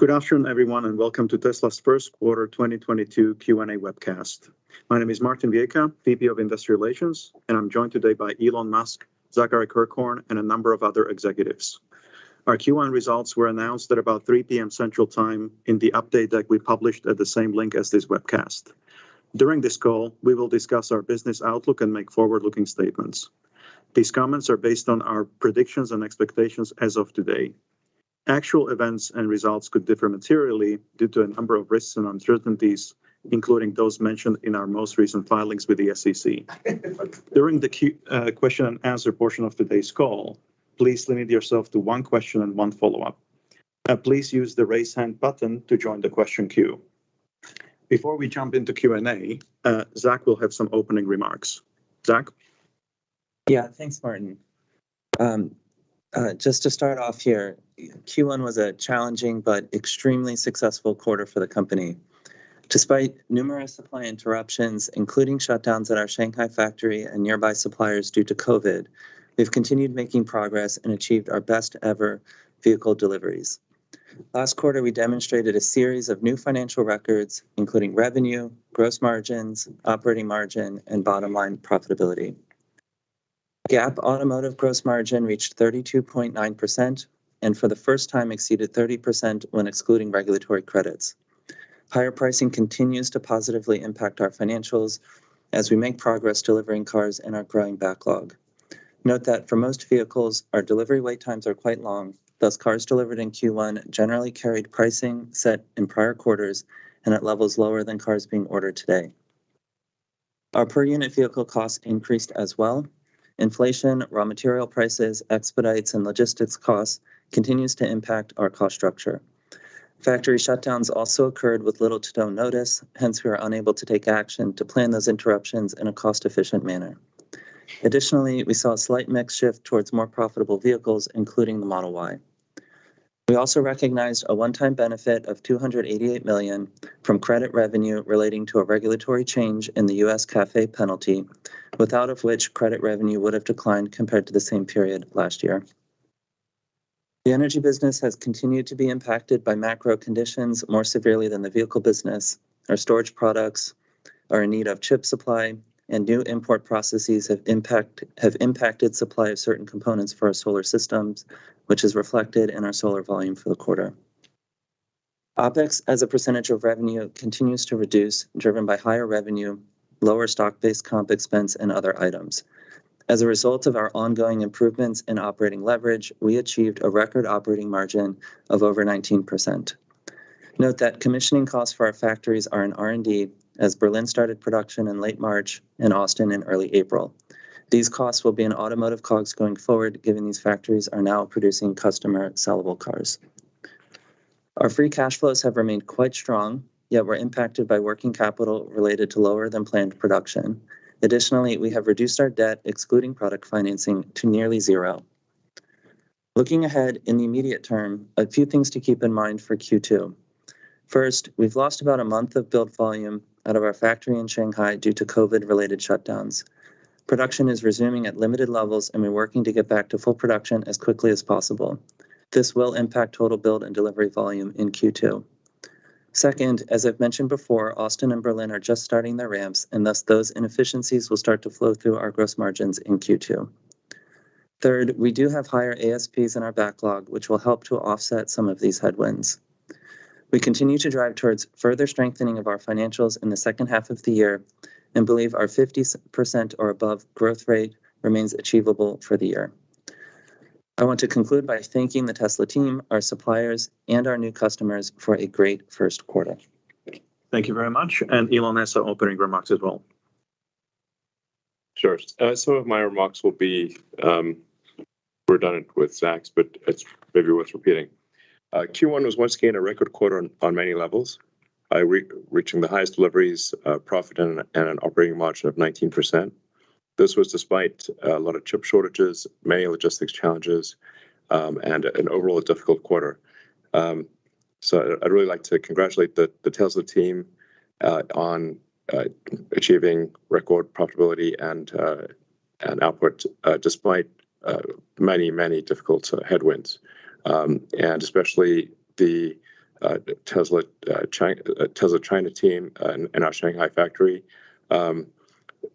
Good afternoon, everyone, and welcome to Tesla's first quarter 2022 Q&A webcast. My name is Martin Viecha, VP of Investor Relations, and I'm joined today by Elon Musk, Zachary Kirkhorn, and a number of other executives. Our Q1 results were announced at about 3 P.M. Central Time in the update that we published at the same link as this webcast. During this call, we will discuss our business outlook and make forward-looking statements. These comments are based on our predictions and expectations as of today. Actual events and results could differ materially due to a number of risks and uncertainties, including those mentioned in our most recent filings with the SEC. During the question and answer portion of today's call, please limit yourself to one question and one follow-up. Please use the Raise Hand button to join the question queue. Before we jump into Q&A, Zach will have some opening remarks. Zach? Yeah. Thanks, Martin. Just to start off here, Q1 was a challenging but extremely successful quarter for the company. Despite numerous supply interruptions, including shutdowns at our Shanghai factory and nearby suppliers due to COVID, we've continued making progress and achieved our best ever vehicle deliveries. Last quarter, we demonstrated a series of new financial records, including revenue, gross margins, operating margin, and bottom-line profitability. GAAP automotive gross margin reached 32.9% and for the first time exceeded 30% when excluding regulatory credits. Higher pricing continues to positively impact our financials as we make progress delivering cars in our growing backlog. Note that for most vehicles, our delivery wait times are quite long. Thus, cars delivered in Q1 generally carried pricing set in prior quarters and at levels lower than cars being ordered today. Our per-unit vehicle costs increased as well. Inflation, raw material prices, expenditures, and logistics costs continue to impact our cost structure. Factory shutdowns also occurred with little to no notice, hence we are unable to take action to plan those interruptions in a cost-efficient manner. Additionally, we saw a slight mix shift towards more profitable vehicles, including the Model Y. We also recognized a one-time benefit of $288 million from credit revenue relating to a regulatory change in the U.S. CAFE penalty, without which credit revenue would have declined compared to the same period last year. The energy business has continued to be impacted by macro conditions more severely than the vehicle business. Our storage products are in need of chip supply, and new import processes have impacted supply of certain components for our solar systems, which is reflected in our solar volume for the quarter. OpEx as a percentage of revenue continues to reduce, driven by higher revenue, lower stock-based comp expense, and other items. As a result of our ongoing improvements in operating leverage, we achieved a record operating margin of over 19%. Note that commissioning costs for our factories are in R&D, as Berlin started production in late March and Austin in early April. These costs will be in automotive COGS going forward, given these factories are now producing customer sellable cars. Our free cash flows have remained quite strong, yet we're impacted by working capital related to lower than planned production. Additionally, we have reduced our debt, excluding product financing, to nearly zero. Looking ahead in the immediate term, a few things to keep in mind for Q2. First, we've lost about a month of build volume out of our factory in Shanghai due to COVID-related shutdowns. Production is resuming at limited levels, and we're working to get back to full production as quickly as possible. This will impact total build and delivery volume in Q2. Second, as I've mentioned before, Austin and Berlin are just starting their ramps, and thus those inefficiencies will start to flow through our gross margins in Q2. Third, we do have higher ASPs in our backlog, which will help to offset some of these headwinds. We continue to drive towards further strengthening of our financials in the second half of the year and believe our 50% or above growth rate remains achievable for the year. I want to conclude by thanking the Tesla team, our suppliers, and our new customers for a great first quarter. Thank you very much. Elon has opening remarks as well. Sure. Some of my remarks will be redundant with Zach's, but it's maybe worth repeating. Q1 was once again a record quarter on many levels, reaching the highest deliveries, profit and an operating margin of 19%. This was despite a lot of chip shortages, many logistics challenges, and an overall difficult quarter. I'd really like to congratulate the Tesla team on achieving record profitability and output despite many difficult headwinds, especially the Tesla China team and our Shanghai factory.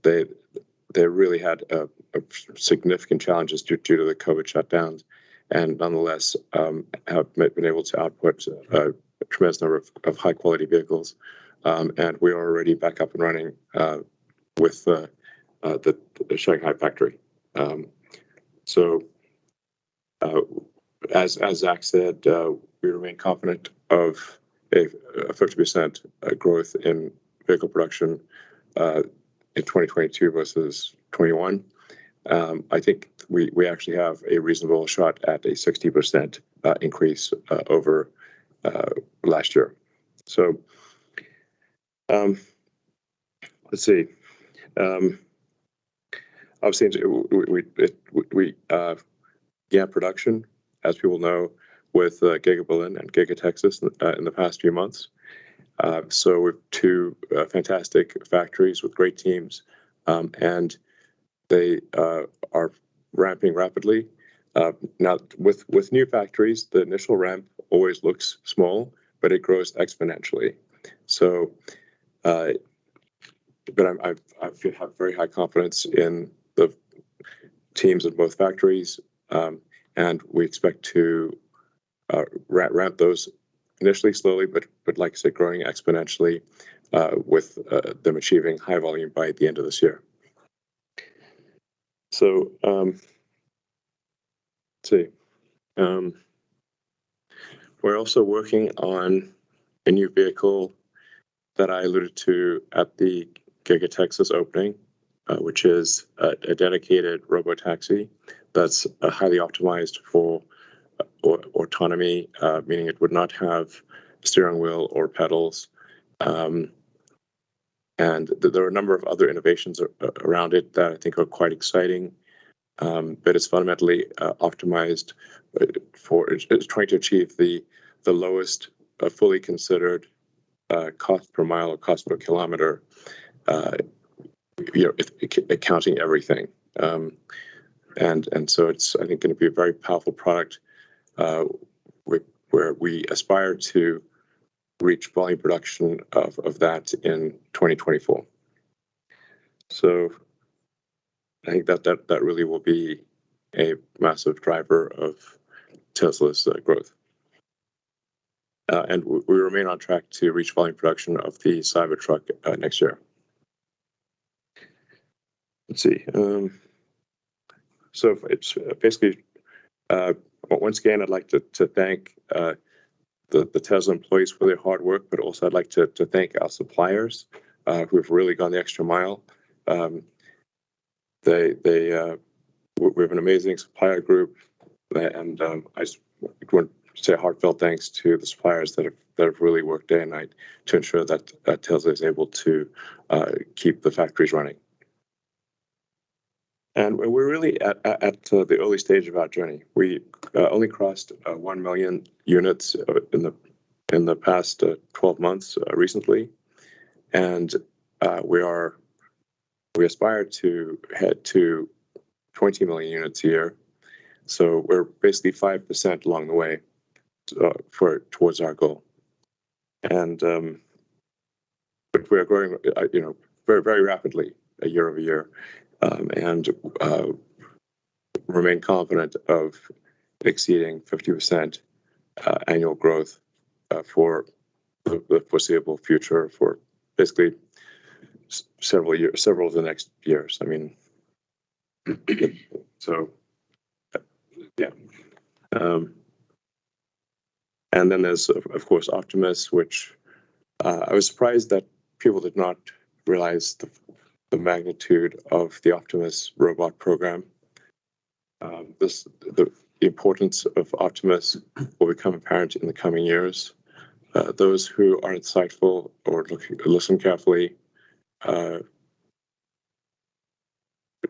They really had significant challenges due to the COVID shutdowns and nonetheless have been able to output a tremendous number of high-quality vehicles. We are already back up and running with the Shanghai factory. As Zach said, we remain confident of a 50% growth in vehicle production in 2022 versus 2021. I think we actually have a reasonable shot at a 60% increase over last year. Let's see. Obviously we ramped production, as we all know, with Giga Berlin and Giga Texas in the past few months. We have two fantastic factories with great teams, and they are ramping rapidly. Now with new factories, the initial ramp always looks small, but it grows exponentially. I have very high confidence in the teams at both factories, and we expect to ramp those initially slowly, but like I say, growing exponentially, with them achieving high volume by the end of this year. Let's see. We're also working on a new vehicle that I alluded to at the Giga Texas opening, which is a dedicated Robotaxi that's highly optimized for autonomy, meaning it would not have steering wheel or pedals. There are a number of other innovations around it that I think are quite exciting. It's fundamentally optimized. It's trying to achieve the lowest fully considered cost per mile or cost per kilometer, you know, accounting everything. It's, I think, gonna be a very powerful product where we aspire to reach volume production of that in 2024. I think that really will be a massive driver of Tesla's growth. We remain on track to reach volume production of the Cybertruck next year. Let's see. It's basically once again, I'd like to thank the Tesla employees for their hard work, but also I'd like to thank our suppliers who have really gone the extra mile. We have an amazing supplier group and I just want to say a heartfelt thanks to the suppliers that have really worked day and night to ensure that Tesla is able to keep the factories running. We're really at the early stage of our journey. We only crossed 1 million units in the past 12 months recently. We aspire to head to 20 million units a year. We're basically 5% along the way towards our goal. But we are growing, you know, very rapidly year-over-year and remain confident of exceeding 50% annual growth for the foreseeable future for basically several of the next years. I mean, yeah. Then there's, of course, Optimus, which I was surprised that people did not realize the magnitude of the Optimus robot program. The importance of Optimus will become apparent in the coming years. Those who are insightful or listen carefully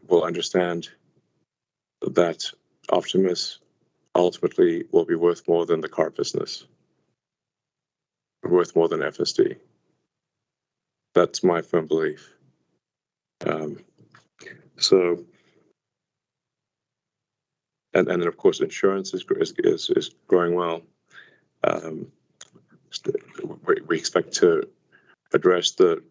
will understand that Optimus ultimately will be worth more than the car business, worth more than FSD. That's my firm belief. Of course, insurance is growing well. We expect to address the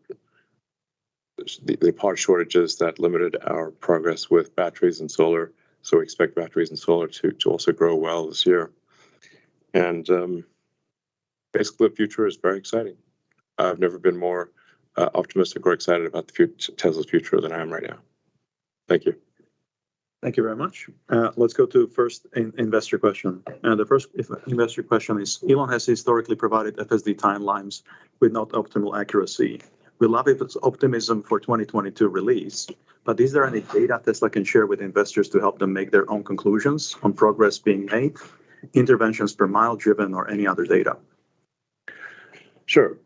part shortages that limited our progress with batteries and solar, so we expect batteries and solar to also grow well this year. Basically, the future is very exciting. I've never been more optimistic or excited about Tesla's future than I am right now. Thank you. Thank you very much. Let's go to the first investor question. The first investor question is: Elon has historically provided FSD timelines with not optimal accuracy. We love his optimism for 2022 release, but is there any data Tesla can share with investors to help them make their own conclusions on progress being made, interventions per mile driven, or any other data? Sure.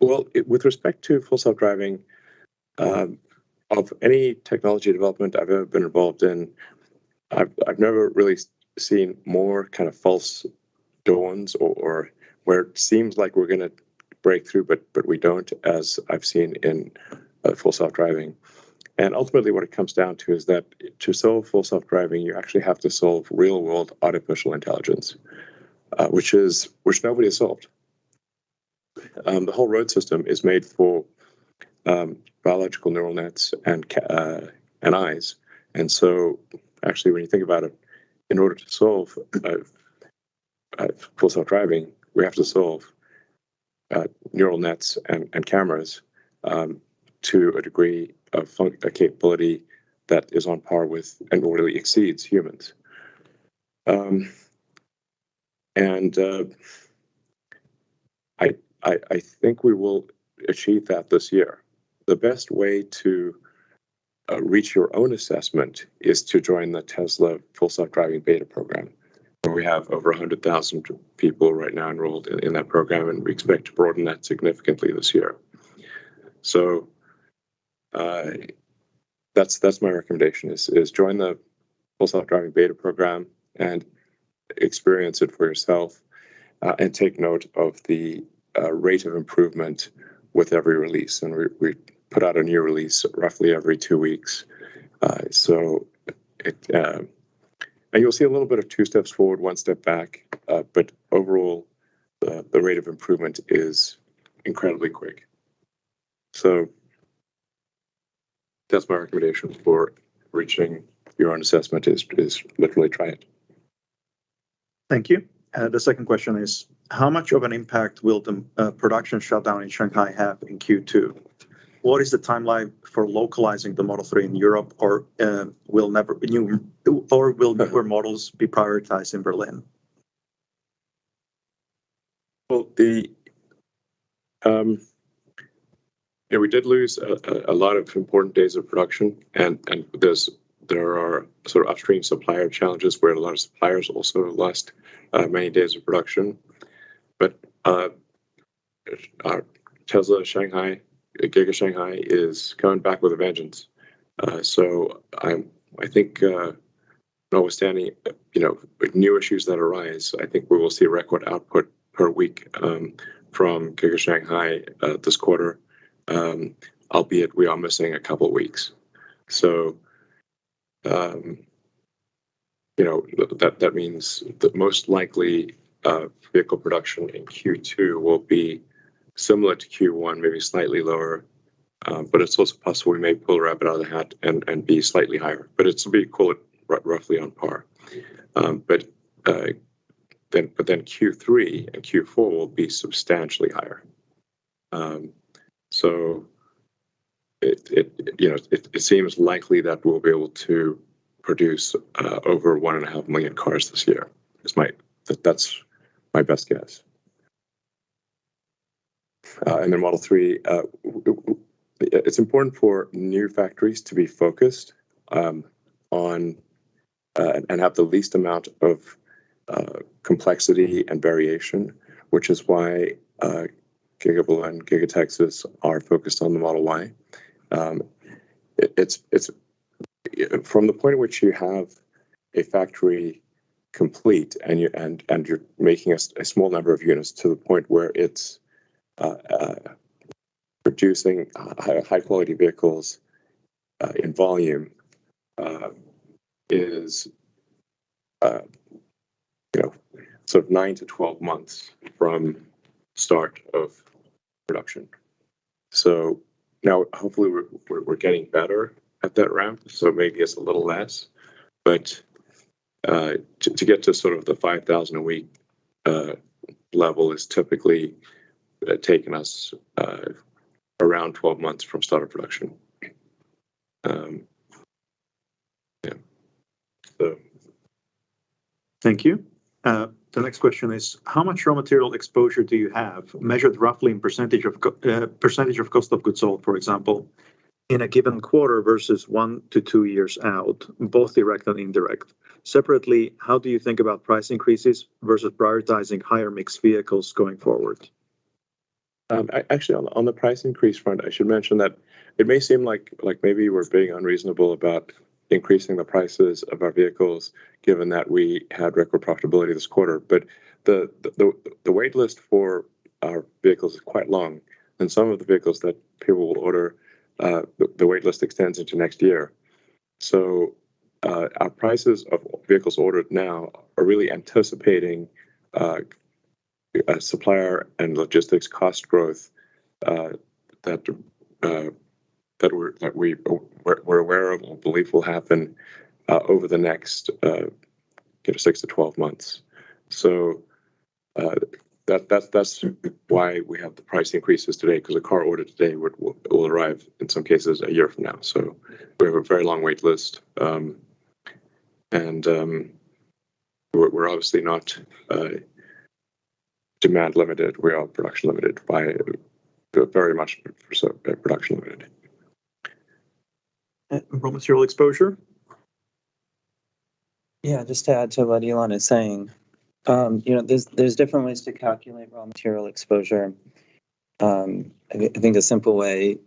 Well, with respect to Full Self-Driving, of any technology development I've ever been involved in, I've never really seen more kind of false dawns or where it seems like we're gonna break through, but we don't, as I've seen in Full Self-Driving. Ultimately, what it comes down to is that to solve Full Self-Driving, you actually have to solve real-world artificial intelligence, which nobody has solved. The whole road system is made for biological neural nets and eyes. Actually, when you think about it, in order to solve Full Self-Driving, we have to solve neural nets and cameras to a degree of capability that is on par with and/or really exceeds humans. I think we will achieve that this year. The best way to reach your own assessment is to join the Tesla Full Self-Driving Beta program, where we have over 100,000 people right now enrolled in that program, and we expect to broaden that significantly this year. That's my recommendation is join the Full Self-Driving Beta program and experience it for yourself, and take note of the rate of improvement with every release. We put out a new release roughly every two weeks. You'll see a little bit of two steps forward, one step back. But overall, the rate of improvement is incredibly quick. That's my recommendation for reaching your own assessment is literally try it. Thank you. The second question is, how much of an impact will the production shutdown in Shanghai have in Q2? What is the timeline for localizing the Model 3 in Europe or will newer models be prioritized in Berlin? We did lose a lot of important days of production and there are sort of upstream supplier challenges where a lot of suppliers also lost many days of production. Tesla Shanghai, Giga Shanghai is coming back with a vengeance. I think, notwithstanding, you know, new issues that arise, I think we will see record output per week from Giga Shanghai this quarter. Albeit we are missing a couple weeks. You know, that means that most likely, vehicle production in Q2 will be similar to Q1, maybe slightly lower, but it's also possible we may pull a rabbit out of the hat and be slightly higher. We call it roughly on par. Q3 and Q4 will be substantially higher. It seems likely that we'll be able to produce over 1.5 million cars this year. That's my best guess. Model 3, it's important for new factories to be focused on and have the least amount of complexity and variation, which is why Giga Berlin and Giga Texas are focused on the Model Y. It's from the point at which you have a factory complete and you're making a small number of units to the point where it's producing high quality vehicles in volume, sort of nine-12 months from start of production. Now hopefully we're getting better at that ramp, so maybe it's a little less. To get to sort of the 5,000 a week level is typically taking us around 12 months from start of production. Thank you. The next question is, how much raw material exposure do you have measured roughly in percentage of cost of goods sold, for example, in a given quarter versus one-two years out, both direct and indirect? Separately, how do you think about price increases versus prioritizing higher mixed vehicles going forward? Actually on the price increase front, I should mention that it may seem like maybe we're being unreasonable about increasing the prices of our vehicles given that we had record profitability this quarter. The wait list for our vehicles is quite long, and some of the vehicles that people will order, the wait list extends into next year. Our prices of vehicles ordered now are really anticipating supplier and logistics cost growth that we're aware of and believe will happen over the next six-12 months. That's why we have the price increases today, 'cause a car ordered today will arrive in some cases a year from now. We have a very long wait list. We're obviously not demand limited. We are production limited, very much so. Raw material exposure? Yeah. Just to add to what Elon is saying, you know, there's different ways to calculate raw material exposure. I think a simple way,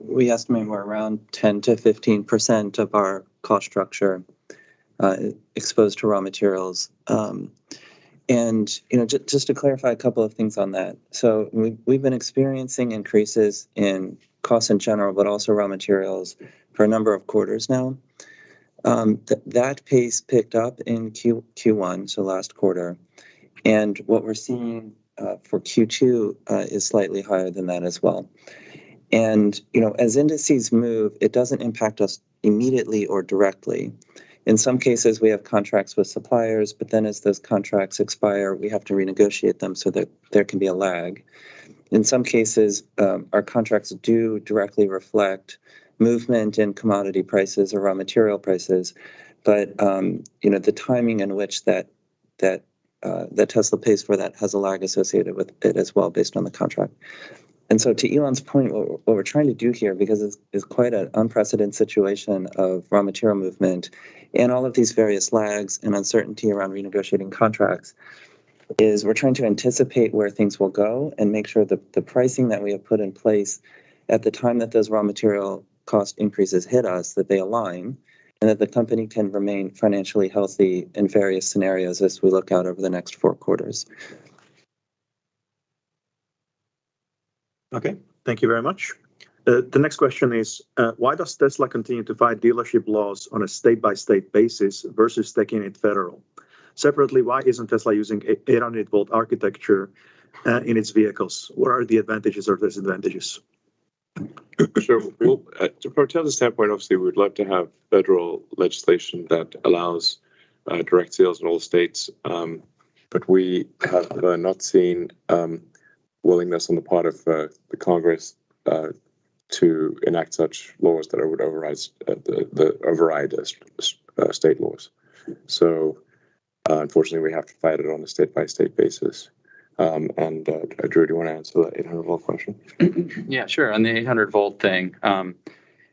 we estimate we're around 10%-15% of our cost structure exposed to raw materials. You know, just to clarify a couple of things on that. We've been experiencing increases in costs in general, but also raw materials for a number of quarters now. That pace picked up in Q1, so last quarter. What we're seeing for Q2 is slightly higher than that as well. You know, as indices move, it doesn't impact us immediately or directly. In some cases, we have contracts with suppliers, but then as those contracts expire, we have to renegotiate them so that there can be a lag. In some cases, our contracts do directly reflect movement in commodity prices or raw material prices, but you know, the timing in which that Tesla pays for that has a lag associated with it as well based on the contract. To Elon's point, what we're trying to do here, because it's quite an unprecedented situation of raw material movement and all of these various lags and uncertainty around renegotiating contracts. We're trying to anticipate where things will go and make sure the pricing that we have put in place at the time that those raw material cost increases hit us, that they align, and that the company can remain financially healthy in various scenarios as we look out over the next four quarters. Okay. Thank you very much. The next question is, why does Tesla continue to fight dealership laws on a state-by-state basis versus taking it federal? Separately, why isn't Tesla using an 800 volt architecture in its vehicles? What are the advantages or disadvantages? Sure. Well, from Tesla's standpoint, obviously we'd like to have federal legislation that allows direct sales in all states. We have not seen willingness on the part of the Congress to enact such laws that would override the state laws. Unfortunately, we have to fight it on a state-by-state basis. Drew, do you wanna answer the 800 volt question? Yeah, sure. On the 800 volt thing.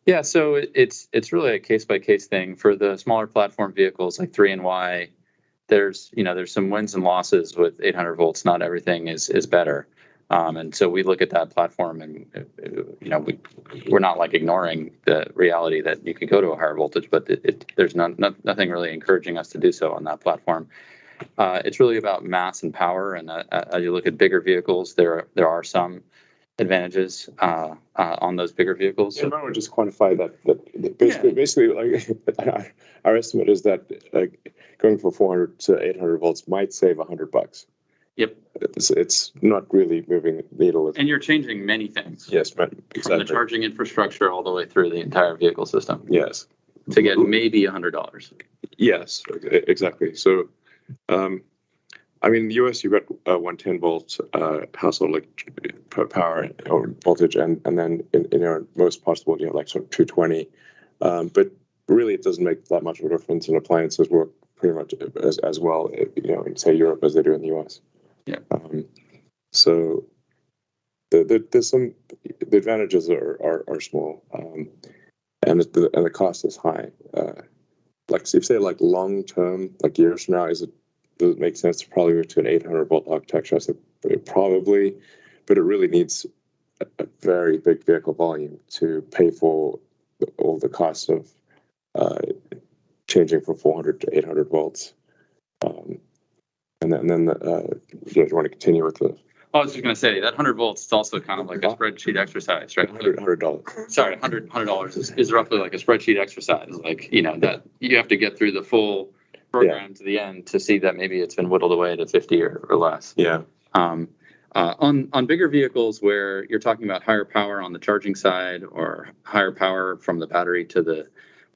Yeah, so it's really a case-by-case thing. For the smaller platform vehicles like Model 3 and Model Y, there's, you know, some wins and losses with 800 volts. Not everything is better. And so we look at that platform and, you know, we're not, like, ignoring the reality that you can go to a higher voltage, but it, there's nothing really encouraging us to do so on that platform. It's really about mass and power and the. You look at bigger vehicles, there are some advantages on those bigger vehicles. Yeah, if I would just quantify that. Basically, like our estimate is that, like, going from 400-800 volts might save $100. It's not really moving the needle with- You're changing many things. Yes. Right. Exactly. From the charging infrastructure all the way through the entire vehicle system to get maybe a $100. Yes. Exactly. I mean, in the U.S., you've got a 110 volt household power or voltage and then in most of Europe, you have like sort of 220. But really it doesn't make that much of a difference, and appliances work pretty much as well, you know, in say Europe as they do in the U.S. The advantages are small, and the cost is high. Like, so if, say, like, long-term, like years from now, does it make sense to probably go to an 800 volt architecture? I'd say probably, but it really needs a very big vehicle volume to pay for all the costs of changing from 400-800 volts. Do you guys wanna continue with the- I was just gonna say, that 100 volts is also kind of like a spreadsheet exercise, right? $100. Sorry. $100 is roughly like a spreadsheet exercise, like, you know, that you have to get through the full program to the end to see that maybe it's been whittled away to 50 or less. On bigger vehicles where you're talking about higher power on the charging side or higher power from the battery to the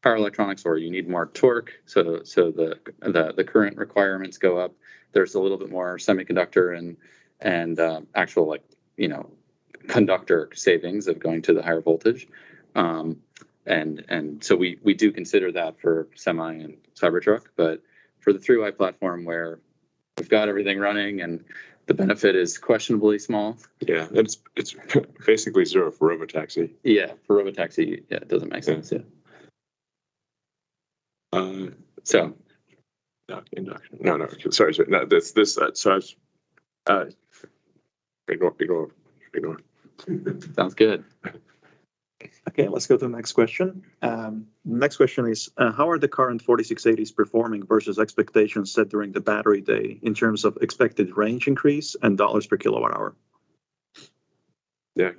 power electronics, or you need more torque, so the current requirements go up. There's a little bit more semiconductor and actual like, you know, conductor savings of going to the higher voltage. We do consider that for Semi and Cybertruck. But for the 3/Y platform where we've got everything running and the benefit is questionably small. Yeah. It's basically zero for Robotaxi. Yeah. For Robotaxi, yeah, it doesn't make sense. No. Keep going. Sounds good. Okay, let's go to the next question. Next question is, how are the current 4680s performing versus expectations set during the Battery Day in terms of expected range increase and dollars per kilowatt hour? Drew?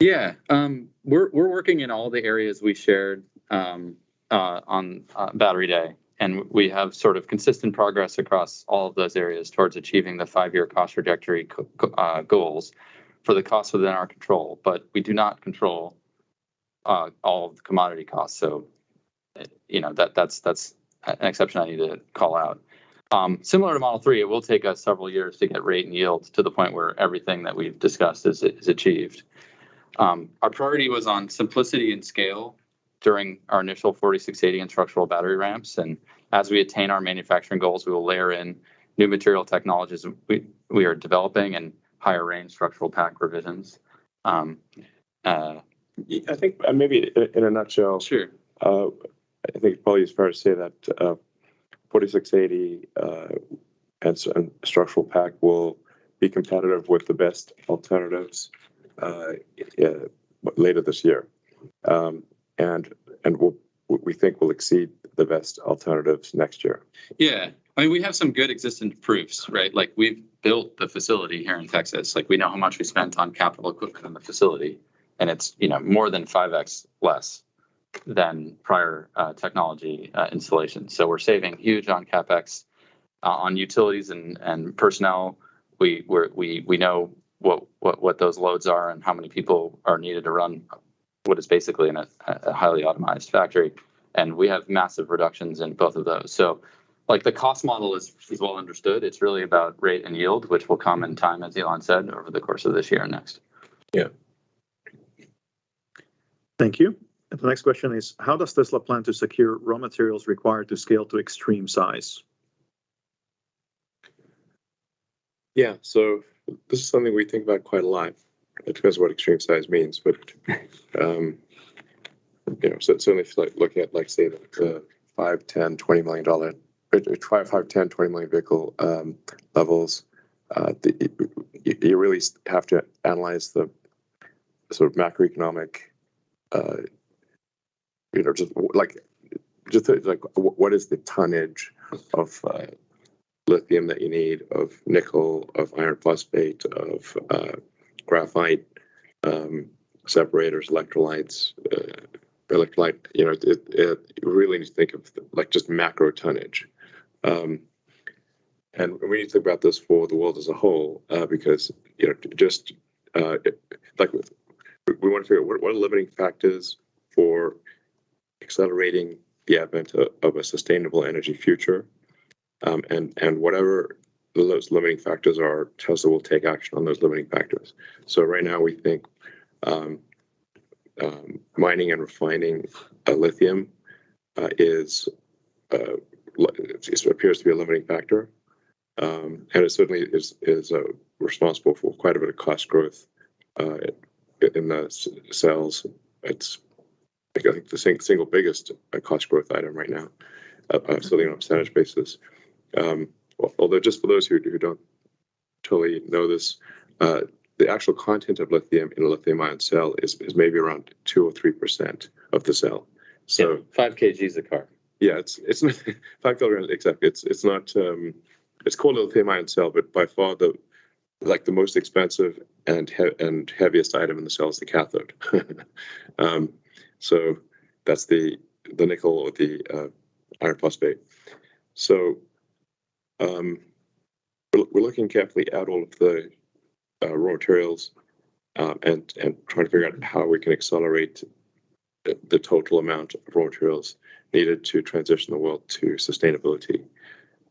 Yeah. We're working in all the areas we shared on Battery Day, and we have sort of consistent progress across all of those areas towards achieving the five-year cost trajectory goals for the costs within our control. We do not control all of the commodity costs. You know, that's an exception I need to call out. Similar to Model 3, it will take us several years to get rate and yield to the point where everything that we've discussed is achieved. Our priority was on simplicity and scale during our initial 4680 and structural battery ramps, and as we attain our manufacturing goals, we will layer in new material technologies we are developing and higher range structural pack revisions. I think maybe in a nutshell. I think probably it's fair to say that 4680 and structural pack will be competitive with the best alternatives later this year. We think it will exceed the best alternatives next year. Yeah. I mean, we have some good existing proofs, right? Like, we've built the facility here in Texas. Like, we know how much we spent on capital equipment on the facility, and it's, you know, more than 5x less than prior technology installation. We're saving huge on CapEx on utilities and personnel. We know what those loads are and how many people are needed to run what is basically a highly automated factory, and we have massive reductions in both of those. The cost model is well understood. It's really about rate and yield, which will come in time, as Elon said, over the course of this year and next. Thank you. The next question is, how does Tesla plan to secure raw materials required to scale to extreme size? Yeah. This is something we think about quite a lot. It depends what extreme size means, but you know, if you're like looking at, like, say the $5 million, $10 million, $20 million vehicle levels, you really have to analyze the sort of macroeconomic, you know, just like what is the tonnage of lithium that you need, of nickel, of iron phosphate, of graphite, separators, electrolytes, you really need to think of like just macro tonnage. We need to think about this for the world as a whole, because you know, we want to figure out what are the limiting factors for accelerating the advent of a sustainable energy future. Whatever those limiting factors are, Tesla will take action on those limiting factors. Right now we think mining and refining lithium is a limiting factor. It appears to be a limiting factor. It certainly is responsible for quite a bit of cost growth in the cells. It's, I think, the single biggest cost growth item right now, absolutely on a percentage basis. Although just for those who don't totally know this, the actual content of lithium in a lithium-ion cell is maybe around 2% or 3% of the cell. Yeah. [5 kg] a car. Yeah. It's [5 kg], exactly. It's called a lithium-ion cell, but by far the, like, the most expensive and heaviest item in the cell is the cathode. That's the nickel or the iron phosphate. We're looking carefully at all of the raw materials and trying to figure out how we can accelerate the total amount of raw materials needed to transition the world to sustainability.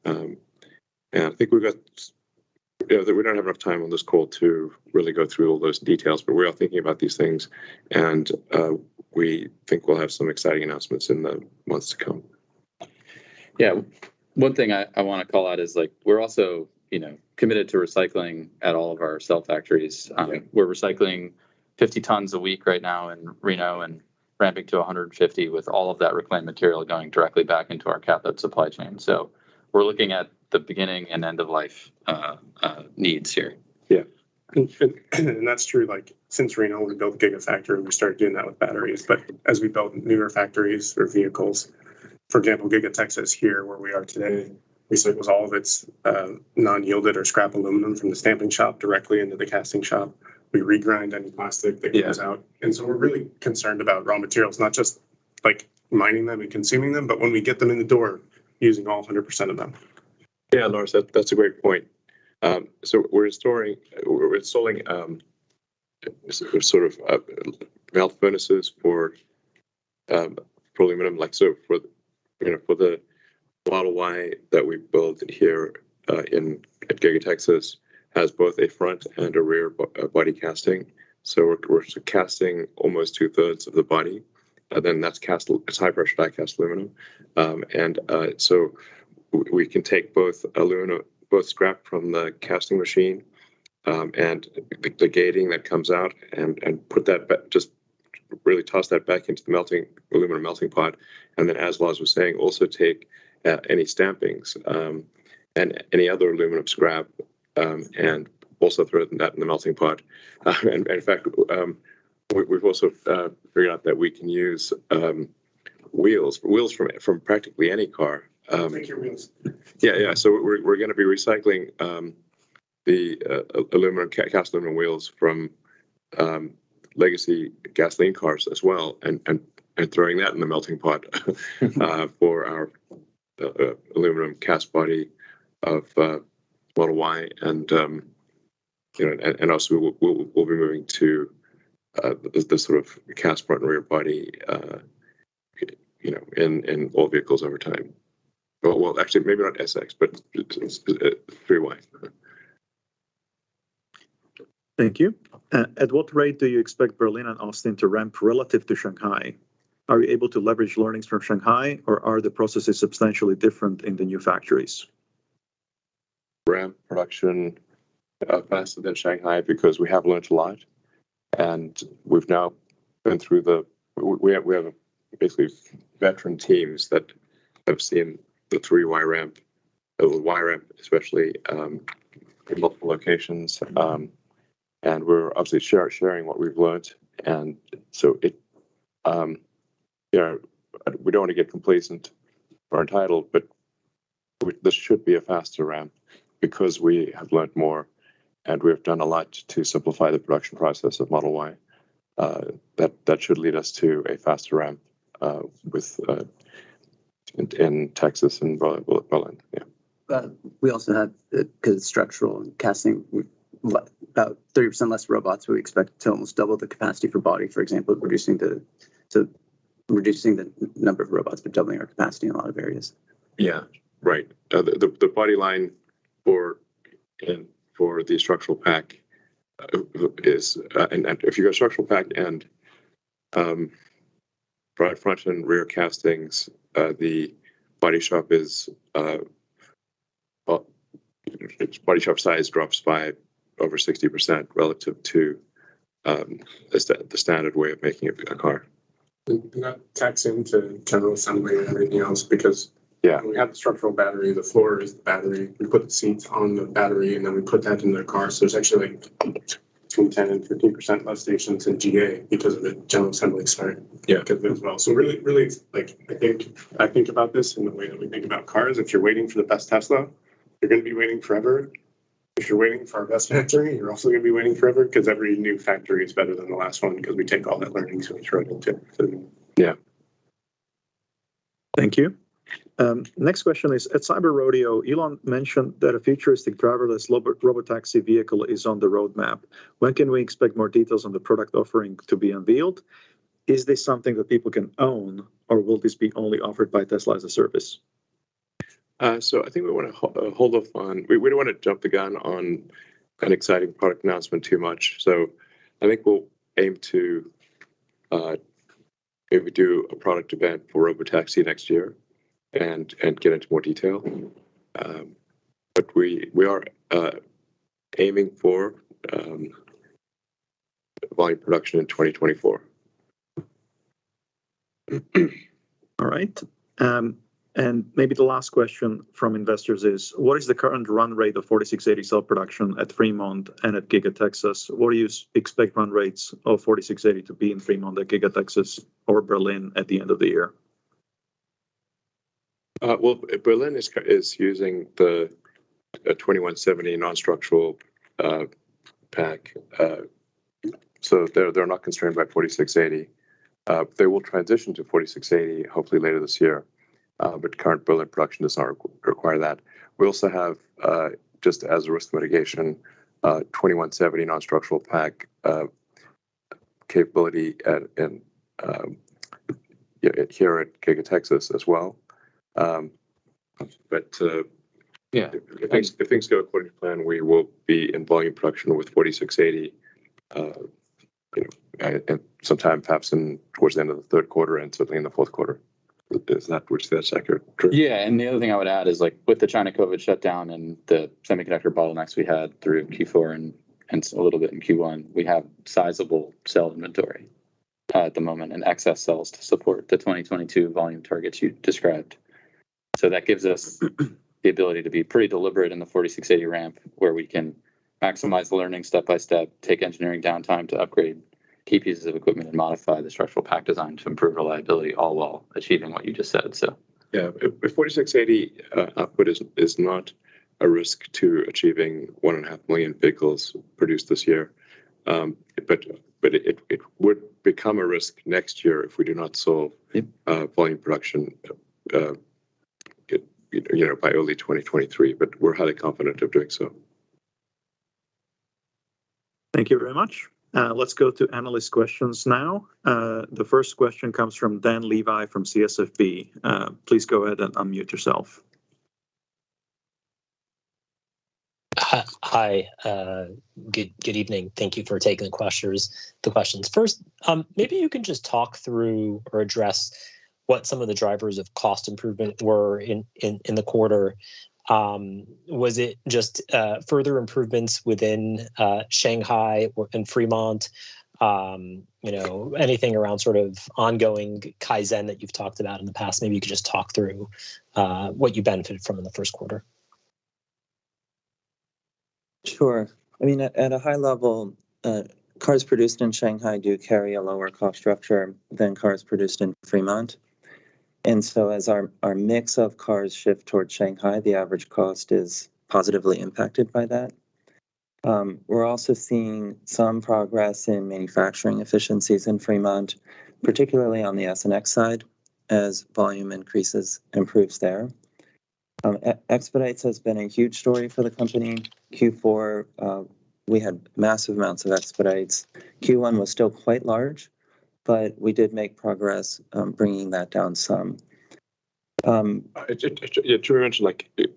I think we've got you know, we don't have enough time on this call to really go through all those details, but we're all thinking about these things, and we think we'll have some exciting announcements in the months to come. Yeah. One thing I wanna call out is, like, we're also, you know, committed to recycling at all of our cell factories. We're recycling 50 tons a week right now in Reno and ramping to 150, with all of that reclaimed material going directly back into our cathode supply chain. We're looking at the beginning and end of life needs here. That's true, like, since Reno, when we built Gigafactory, we started doing that with batteries, but as we built newer factories for vehicles, for example, Giga Texas here where we are today, recycles all of its, non-yielded or scrap aluminum from the stamping shop directly into the casting shop. We regrind any plastic that comes out. We're really concerned about raw materials, not just, like, mining them and consuming them, but when we get them in the door, using all 100% of them. Yeah, Lars, that's a great point. We're installing sort of melt furnaces for you know for the Model Y that we build here at Giga Texas has both a front and a rear body casting. We're casting almost two-thirds of the body, and then that's high-pressure die-cast aluminum. We can take both aluminum scrap from the casting machine and the gating that comes out and put that back just really toss that back into the aluminum melting pot. As Lars was saying, also take any stampings and any other aluminum scrap and also throw that in the melting pot. In fact, we've also figured out that we can use wheels from practically any car. We can take your wheels. Yeah. We're gonna be recycling the aluminum cast aluminum wheels from legacy gasoline cars as well and throwing that in the melting pot for our aluminum cast body of Model Y, and you know and also we'll be moving to the sort of cast front and rear body you know in all vehicles over time. Well, actually maybe not S/X, but 3/Y. Thank you. At what rate do you expect Berlin and Austin to ramp relative to Shanghai? Are you able to leverage learnings from Shanghai or are the processes substantially different in the new factories? Ramp production faster than Shanghai because we have learned a lot and we've now been through the. We have basically veteran teams that have seen the 3/Y ramp, the Y ramp especially, in multiple locations. We're obviously sharing what we've learned, so you know, we don't want to get complacent or entitled, but this should be a faster ramp because we have learned more and we've done a lot to simplify the production process of Model Y. That should lead us to a faster ramp in Texas and Berlin. Yeah. We also have, because structural and casting, we've about 30% less robots, we expect to almost double the capacity for body, for example, reducing the number of robots, but doubling our capacity in a lot of areas. Yeah. Right. The body line for the structural pack is, and if you've got structural pack and front and rear castings, the body shop is. Well, its body shop size drops by over 60% relative to the standard way of making a car. That taps into general assembly and everything else because. We have the structural battery, the floor is the battery. We put the seats on the battery, and then we put that into the car. There's actually between 10% and 15% less stations in GA because of the general assembly design. Because as well, so really, like, I think about this in the way that we think about cars. If you're waiting for the best Tesla, you're gonna be waiting forever. If you're waiting for our best factory, you're also gonna be waiting forever 'cause every new factory is better than the last one 'cause we take all that learning, so we throw it into the new one. Thank you. Next question is, at Cyber Rodeo, Elon mentioned that a futuristic driverless Robotaxi vehicle is on the roadmap. When can we expect more details on the product offering to be unveiled? Is this something that people can own, or will this be only offered by Tesla as a service? I think we wanna hold off. We don't wanna jump the gun on an exciting product announcement too much. I think we'll aim to maybe do a product event for Robotaxi next year and get into more detail. We are aiming for volume production in 2024. All right. And maybe the last question from investors is: What is the current run rate of 4680 cell production at Fremont and at Giga Texas? What do you expect run rates of 4680 to be in Fremont or Giga Texas or Berlin at the end of the year? Well, Berlin is using the 2170 non-structural pack. They're not constrained by 4680. They will transition to 4680 hopefully later this year, but current Berlin production does not require that. We also have just as a risk mitigation 2170 non-structural pack capability here at Giga Texas as well. if things go according to plan, we will be in volume production with 4680, you know, sometime perhaps in towards the end of the third quarter and certainly in the fourth quarter. Is that accurate, Drew? Yeah, the other thing I would add is, like, with the China COVID shutdown and the semiconductor bottlenecks we had through Q4 and a little bit in Q1, we have sizable cell inventory at the moment and excess cells to support the 2022 volume targets you described. That gives us the ability to be pretty deliberate in the 4680 ramp, where we can maximize the learning step-by-step, take engineering downtime to upgrade key pieces of equipment and modify the structural pack design to improve reliability, all while achieving what you just said. Yeah. A 4680 output is not a risk to achieving 1.5 million vehicles produced this year. It would become a risk next year if we do not solve volume production, you know, by early 2023. We're highly confident of doing so. Thank you very much. Let's go to analyst questions now. The first question comes from Dan Levy from CSFB. Please go ahead and unmute yourself. Hi, good evening. Thank you for taking the questions. First, maybe you can just talk through or address what some of the drivers of cost improvement were in the quarter. Was it just further improvements within Shanghai or in Fremont? You know, anything around sort of ongoing Kaizen that you've talked about in the past, maybe you could just talk through what you benefited from in the first quarter. Sure. I mean, at a high level, cars produced in Shanghai do carry a lower cost structure than cars produced in Fremont. As our mix of cars shift towards Shanghai, the average cost is positively impacted by that. We're also seeing some progress in manufacturing efficiencies in Fremont, particularly on the S and X side, as volume increases improves there. Expedites has been a huge story for the company. Q4, we had massive amounts of expedites. Q1 was still quite large, but we did make progress, bringing that down some. Drew mentioned, like, you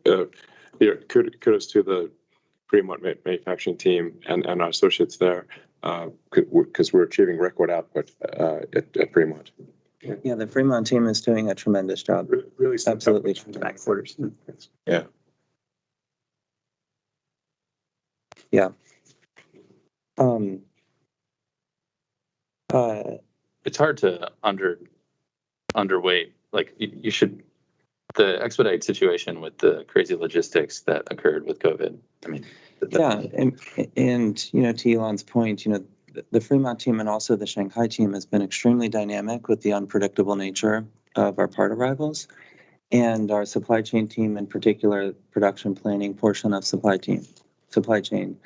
know, kudos to the Fremont manufacturing team and our associates there, 'cause we're achieving record output at Fremont. Yeah, the Fremont team is doing a tremendous job. It's hard to underweight. The expedite situation with the crazy logistics that occurred with COVID, I mean. Yeah. You know, to Elon's point, you know, the Fremont team and also the Shanghai team has been extremely dynamic with the unpredictable nature of our part arrivals and our supply chain team, in particular production planning portion of supply team, supply chain.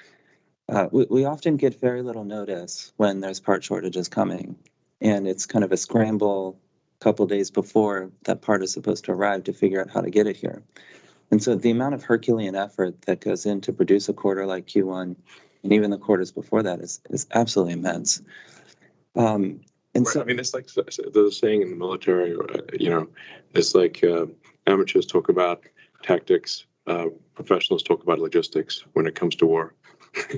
We often get very little notice when there's part shortages coming, and it's kind of a scramble couple days before that part is supposed to arrive to figure out how to get it here. The amount of Herculean effort that goes in to produce a quarter like Q1, and even the quarters before that, is absolutely immense. Right. I mean, it's like the saying in the military, you know, it's like, amateurs talk about tactics, professionals talk about logistics when it comes to war.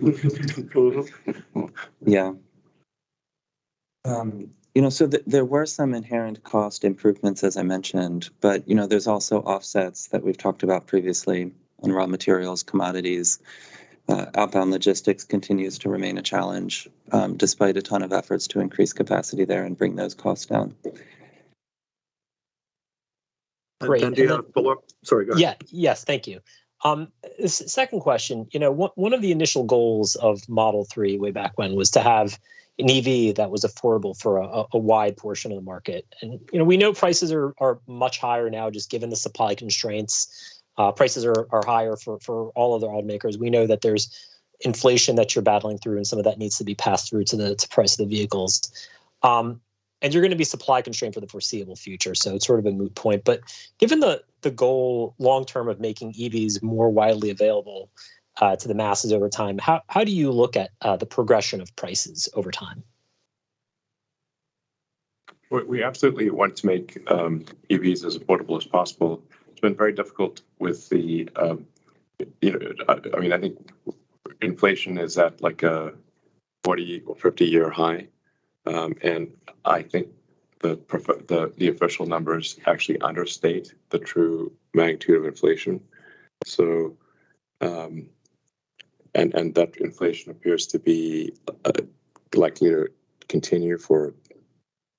You know, there were some inherent cost improvements as I mentioned, but you know, there's also offsets that we've talked about previously in raw materials, commodities. Outbound logistics continues to remain a challenge, despite a ton of efforts to increase capacity there and bring those costs down. Dan, do you have a follow-up? Sorry, go ahead. Yeah. Yes, thank you. Second question. You know, one of the initial goals of Model 3 way back when was to have an EV that was affordable for a wide portion of the market. You know, we know prices are much higher now just given the supply constraints. Prices are higher for all other automakers. We know that there's inflation that you're battling through, and some of that needs to be passed through to the price of the vehicles. You're gonna be supply constrained for the foreseeable future, so it's sort of a moot point. Given the goal long term of making EVs more widely available to the masses over time, how do you look at the progression of prices over time? We absolutely want to make EVs as affordable as possible. It's been very difficult with the. I mean, I think inflation is at like a 40 or 50-year high. I think the official numbers actually understate the true magnitude of inflation. That inflation appears to be likely to continue for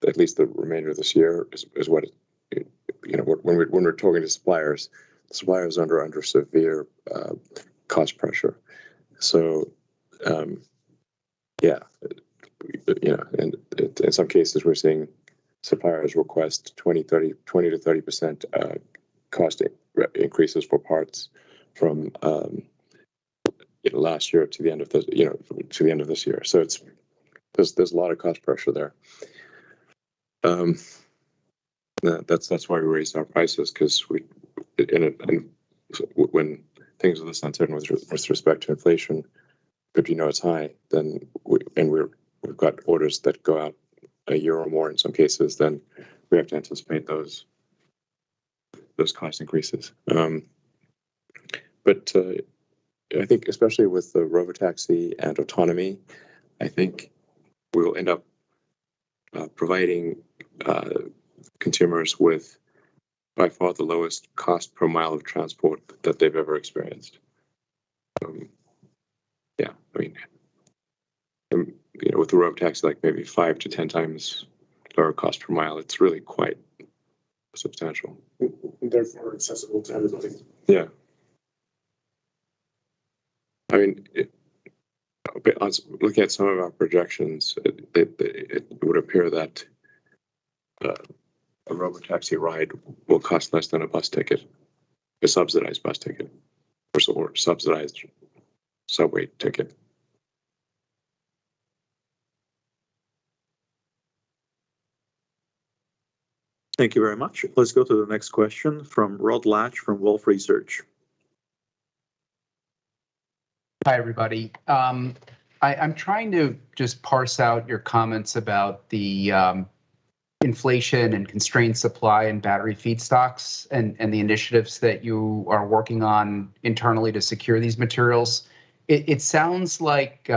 at least the remainder of this year, is what it. When we're talking to suppliers, the supplier is under severe cost pressure. In some cases we're seeing suppliers request 20%-30% cost increases for parts from last year to the end of this year. It's a lot of cost pressure there. That's why we raised our prices, 'cause when things are this uncertain with respect to inflation, but you know it's high, then we've got orders that go out a year or more in some cases, then we have to anticipate those cost increases. I think especially with the Robotaxi and autonomy, we'll end up providing consumers with by far the lowest cost per mile of transport that they've ever experienced. Yeah, I mean. You know, with the Robotaxi, like maybe 5-10 times lower cost per mile, it's really quite substantial. Therefore, accessible to everybody. Yeah. I mean, looking at some of our projections, it would appear that a Robotaxi ride will cost less than a bus ticket, a subsidized bus ticket, or sort of subsidized subway ticket. Thank you very much. Let's go to the next question from Rod Lache from Wolfe Research. Hi, everybody. I'm trying to just parse out your comments about the inflation and constrained supply in battery feedstocks and the initiatives that you are working on internally to secure these materials. It sounds like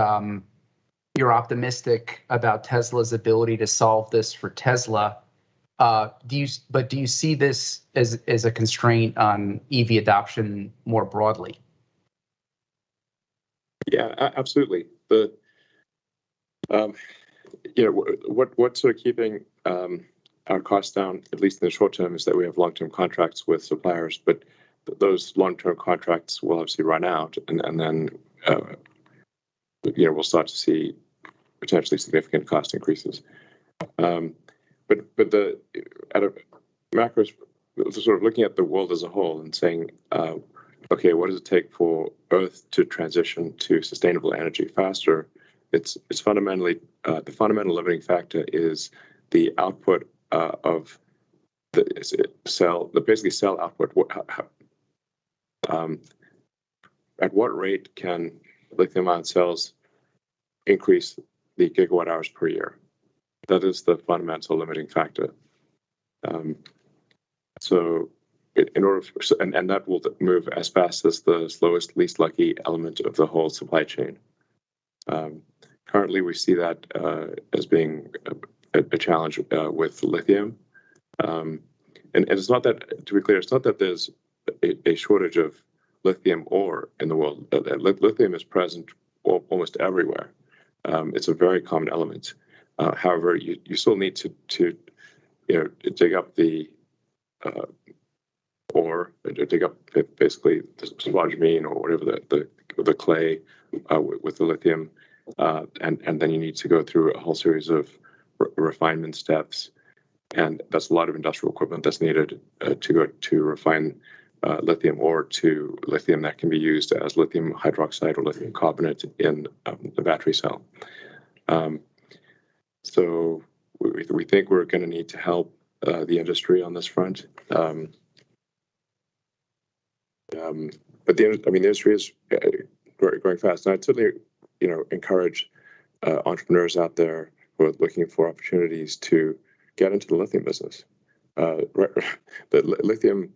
you're optimistic about Tesla's ability to solve this for Tesla. Do you see this as a constraint on EV adoption more broadly? Absolutely. You know, what's sort of keeping our costs down, at least in the short term, is that we have long-term contracts with suppliers. Those long-term contracts will obviously run out and then, you know, we'll start to see potentially significant cost increases. At a macro sort of looking at the world as a whole and saying, "Okay, what does it take for Earth to transition to sustainable energy faster?" It's fundamentally the fundamental limiting factor is the output of the cell, basically cell output. At what rate can lithium-ion cells increase the gigawatt hours per year? That is the fundamental limiting factor. In order for... That will move as fast as the slowest, least lucky element of the whole supply chain. Currently we see that as being a challenge with lithium. To be clear, it's not that there's a shortage of lithium ore in the world. Lithium is present almost everywhere. It's a very common element. However, you still need to, you know, dig up the ore, dig up basically the spodumene or whatever the clay with the lithium. Then you need to go through a whole series of refinement steps, and that's a lot of industrial equipment that's needed to refine lithium ore to lithium that can be used as lithium hydroxide or lithium carbonate in the battery cell. We think we're gonna need to help the industry on this front. I mean, the industry is growing fast, and I'd certainly you know encourage entrepreneurs out there who are looking for opportunities to get into the lithium business. The lithium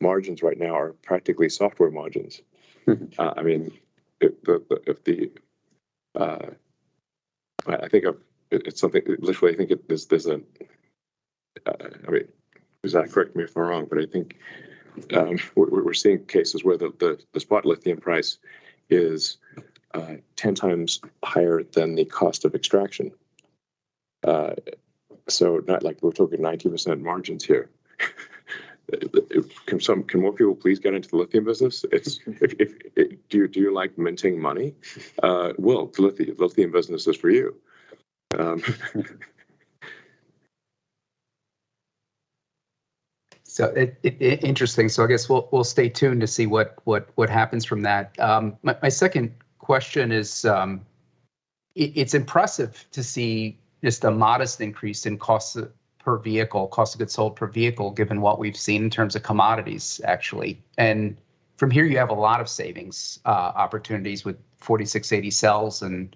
margins right now are practically software margins. I mean, literally, I think there's, I mean, Zach, correct me if I'm wrong, but I think we're seeing cases where the spot lithium price is 10 times higher than the cost of extraction. Not like we're talking 90% margins here. Can more people please get into the lithium business? Do you like minting money? Well, the lithium business is for you. Interesting. I guess we'll stay tuned to see what happens from that. My second question is, it's impressive to see just a modest increase in cost per vehicle, cost of goods sold per vehicle, given what we've seen in terms of commodities, actually. From here, you have a lot of savings opportunities with 4680 cells and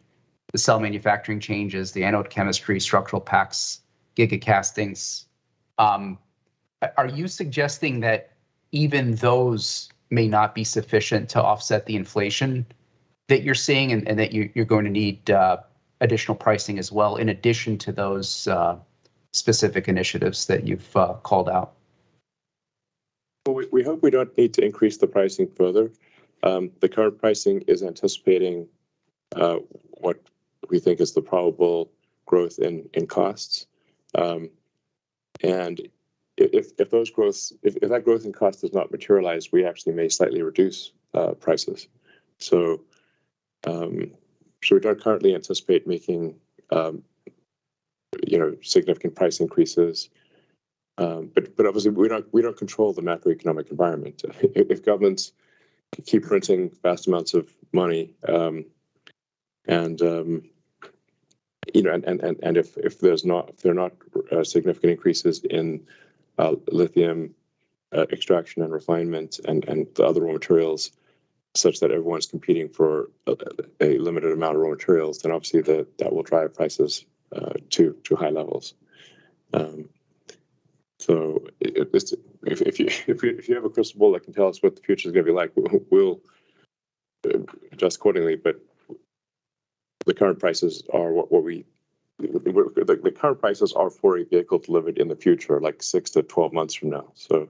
the cell manufacturing changes, the anode chemistry, structural packs, Gigacastings. Are you suggesting that even those may not be sufficient to offset the inflation that you're seeing and that you're going to need additional pricing as well, in addition to those specific initiatives that you've called out? Well, we hope we don't need to increase the pricing further. The current pricing is anticipating what we think is the probable growth in costs. If that growth in cost does not materialize, we actually may slightly reduce prices. We don't currently anticipate making you know significant price increases. Obviously, we don't control the macroeconomic environment. If governments keep printing vast amounts of money, you know, and if there are not significant increases in lithium extraction and refinement and the other raw materials such that everyone's competing for a limited amount of raw materials, then obviously that will drive prices to high levels. If this... If you have a crystal ball that can tell us what the future's gonna be like, we'll adjust accordingly, but the current prices are for a vehicle delivered in the future, like six-12 months from now. So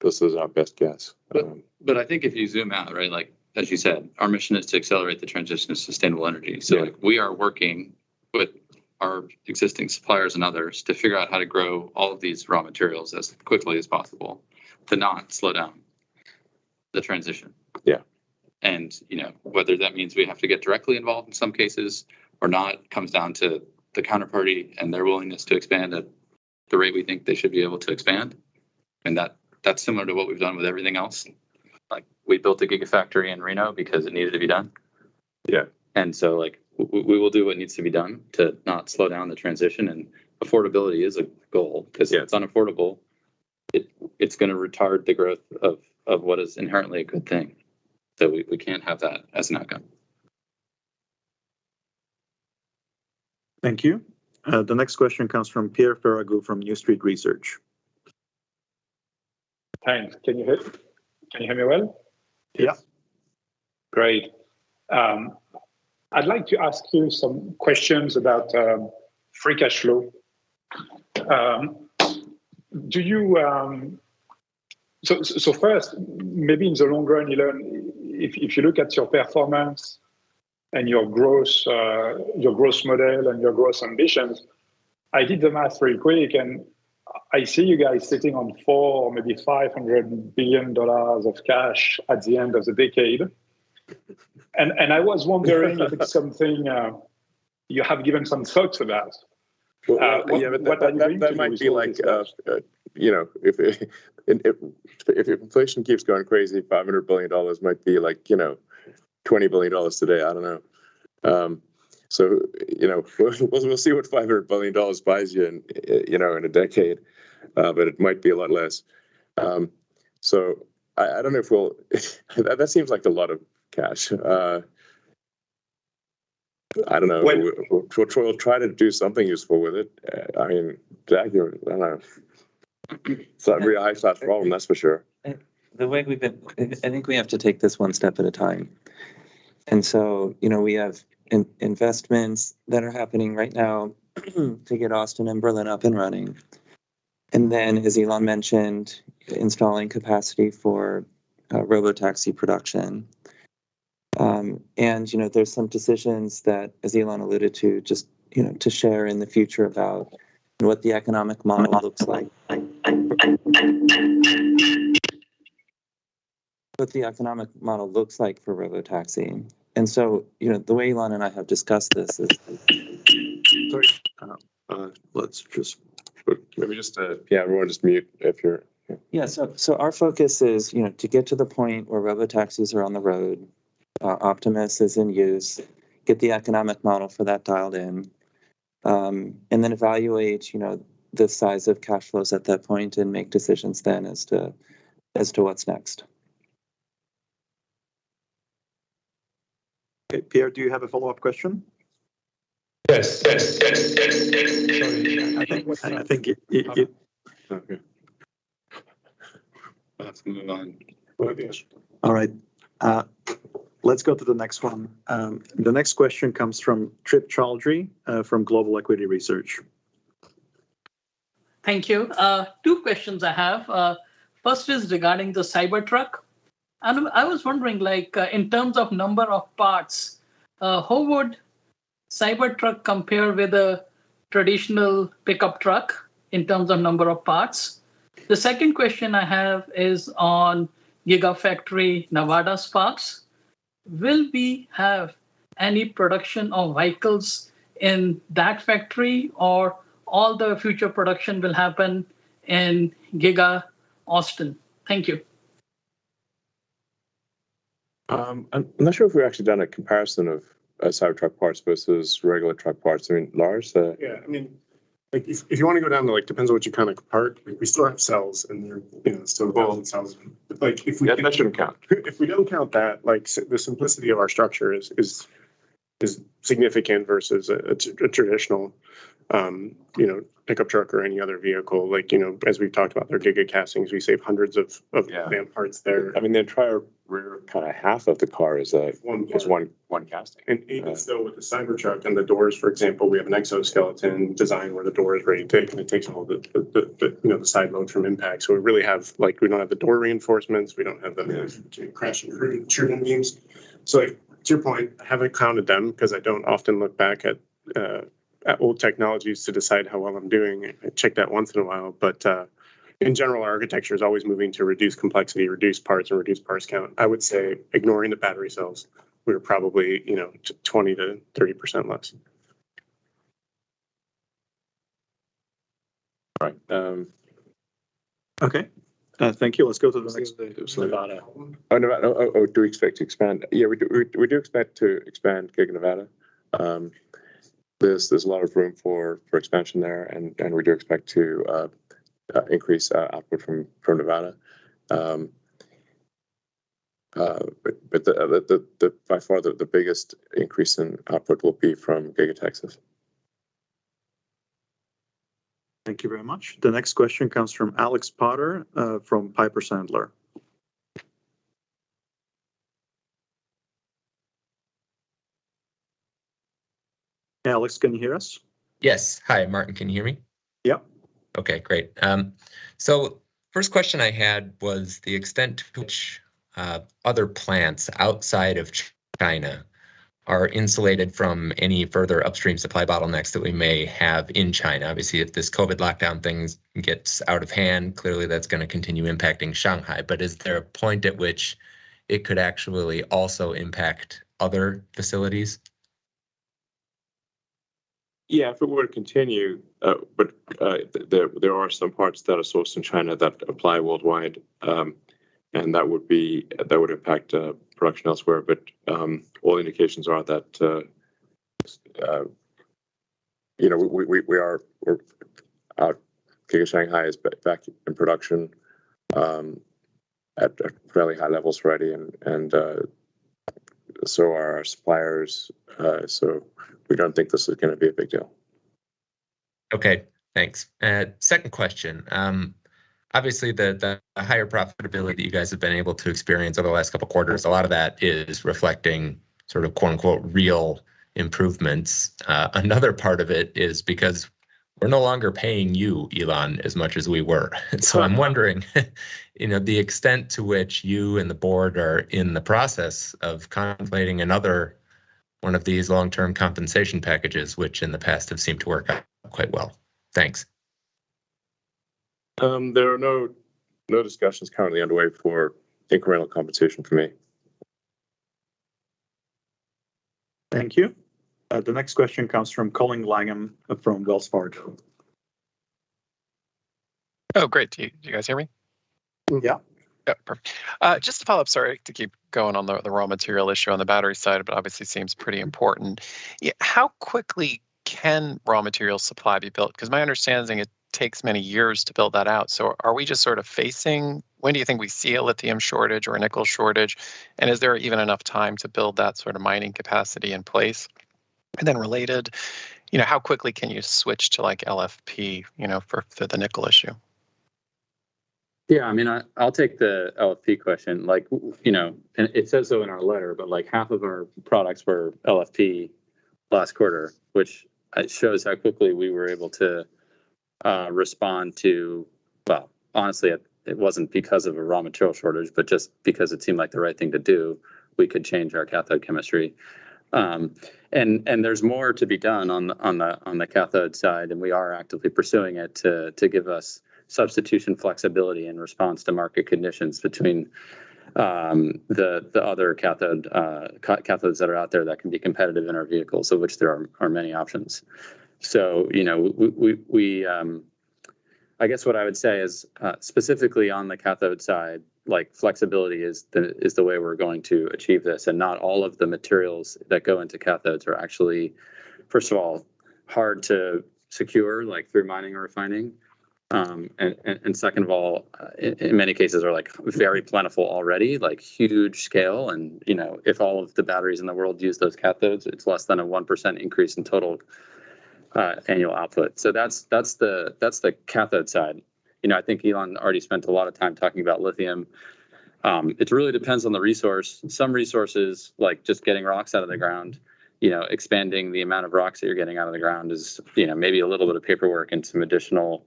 this is our best guess. I think if you zoom out, right, like, as you said, our mission is to accelerate the transition to sustainable energy. We are working with our existing suppliers and others to figure out how to grow all of these raw materials as quickly as possible to not slow down the transition. You know, whether that means we have to get directly involved in some cases or not, comes down to the counterparty and their willingness to expand at the rate we think they should be able to expand. That’s similar to what we’ve done with everything else. Like, we built a Gigafactory in Reno because it needed to be done. Like, we will do what needs to be done to not slow down the transition. Affordability is a goal 'cause if it's unaffordable, it's gonna retard the growth of what is inherently a good thing. We can't have that as an outcome. Thank you. The next question comes from Pierre Ferragu from New Street Research. Thanks. Can you hear? Can you hear me well? Yeah. Great. I'd like to ask you some questions about free cash flow. First, maybe in the long run, Elon, if you look at your performance and your growth model and your growth ambitions, I did the math very quick, and I see you guys sitting on $400 billion-$500 billion of cash at the end of the decade. I was wondering if it's something you have given some thoughts about. Well, that might be like, you know, if inflation keeps going crazy, $500 billion might be like, you know, $20 billion today. I don't know. You know, we'll see what $500 billion buys you in, you know, in a decade, but it might be a lot less. I don't know if we'll. That seems like a lot of cash. I don't know. We'll try to do something useful with it. I mean, Zach, you're... I don't know. It's not a real AI for all, that's for sure. The way we've been, I think we have to take this one step at a time. You know, we have investments that are happening right now to get Austin and Berlin up and running. As Elon mentioned, installing capacity for Robotaxi production. You know, there's some decisions that, as Elon alluded to, just, you know, to share in the future about what the economic model looks like. What the economic model looks like for Robotaxi. You know, the way Elon and I have discussed this is. Sorry. Maybe just, yeah, everyone just mute if you're- Our focus is, you know, to get to the point where Robotaxis are on the road, Optimus is in use, get the economic model for that dialed in, and then evaluate, you know, the size of cash flows at that point and make decisions then as to what's next. Okay, Pierre, do you have a follow-up question? Okay. Let's move on. All right. Let's go to the next one. The next question comes from Trip Chowdhry from Global Equities Research. Thank you. Two questions I have. First is regarding the Cybertruck. I was wondering like, in terms of number of parts, how would Cybertruck compare with a traditional pickup truck in terms of number of parts? The second question I have is on Gigafactory Nevada, Sparks. Will we have any production of vehicles in that factory or all the future production will happen in Giga Austin? Thank you. I'm not sure if we've actually done a comparison of Cybertruck parts versus regular truck parts. I mean, Lars. Yeah, I mean, like if you wanna go down to like, it depends on what you count as a part. We still have cells, and they're, you know, still thousands. Like if we- Yeah, that shouldn't count. If we don't count that, like the simplicity of our structure is significant versus a traditional, you know, pickup truck or any other vehicle. Like, you know, as we've talked about, their Gigacastings, we save hundreds of parts there. I mean, the entire rear, kinda half of the car is one casting. Even still with the Cybertruck and the doors, for example, we have an exoskeleton design where the door is ready to take, and it takes all the, you know, the side load from impact. We really have, like, we don't have the door reinforcements, we don't have the crash intrusion beams. To your point, I haven't counted them 'cause I don't often look back at old technologies to decide how well I'm doing. I check that once in a while. In general, our architecture is always moving to reduce complexity, reduce parts, and reduce parts count. I would say ignoring the battery cells, we're probably, you know, 20%-30% less. Okay, thank you. Let's go to the next- Oh, Nevada. Oh, do we expect to expand? Yeah, we do expect to expand Giga Nevada. There's a lot of room for expansion there and we do expect to increase our output from Nevada. By far the biggest increase in output will be from Giga Texas. Thank you very much. The next question comes from Alex Potter from Piper Sandler. Alex, can you hear us? Yes. Hi, Martin, can you hear me? Yes. Okay, great. First question I had was the extent to which other plants outside of China are insulated from any further upstream supply bottlenecks that we may have in China. Obviously, if this COVID lockdown thing gets out of hand, clearly that's gonna continue impacting Shanghai. Is there a point at which it could actually also impact other facilities? Yeah, if it were to continue, but there are some parts that are sourced in China that apply worldwide. That would impact production elsewhere. All indications are that you know Giga Shanghai is back in production at fairly high levels already and so are our suppliers. We don't think this is gonna be a big deal. Okay, thanks. Second question. Obviously the higher profitability you guys have been able to experience over the last couple of quarters, a lot of that is reflecting sort of, quote-unquote, "real improvements." Another part of it is because we're no longer paying you, Elon, as much as we were. I'm wondering, you know, the extent to which you and the board are in the process of contemplating another one of these long-term compensation packages, which in the past have seemed to work out quite well. Thanks. There are no discussions currently underway for incremental compensation for me. Thank you. The next question comes from Colin Langan from Wells Fargo. Oh, great. Do you guys hear me? Yeah. Yeah. Perfect. Just to follow up, sorry to keep going on the raw material issue on the battery side, but obviously seems pretty important. How quickly can raw material supply be built? 'Cause my understanding is it takes many years to build that out. Are we just sort of facing? When do you think we see a lithium shortage or a nickel shortage? And is there even enough time to build that sort of mining capacity in place? And then related, you know, how quickly can you switch to like LFP, you know, for the nickel issue? Yeah, I mean, I'll take the LFP question. Like, you know, and it says so in our letter, but like half of our products were LFP last quarter, which shows how quickly we were able to respond to. Well, honestly, it wasn't because of a raw material shortage, but just because it seemed like the right thing to do, we could change our cathode chemistry. And there's more to be done on the cathode side, and we are actively pursuing it to give us substitution flexibility in response to market conditions between the other cathodes that are out there that can be competitive in our vehicles, of which there are many options. You know, we I guess what I would say is, specifically on the cathode side, like flexibility is the way we're going to achieve this. Not all of the materials that go into cathodes are actually, first of all, hard to secure, like through mining or refining, and second of all, in many cases are like very plentiful already, like huge scale and, you know, if all of the batteries in the world use those cathodes, it's less than a 1% increase in total annual output. That's the cathode side. You know, I think Elon already spent a lot of time talking about lithium. It really depends on the resource. Some resources, like just getting rocks out of the ground, you know, expanding the amount of rocks that you're getting out of the ground is, you know, maybe a little bit of paperwork and some additional